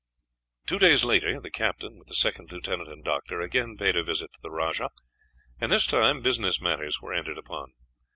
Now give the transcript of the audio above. Two days later, the captain, with the second lieutenant and doctor, again paid a visit to the rajah, and this time business matters were entered upon.